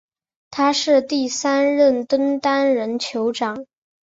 他是第三任登丹人酋长。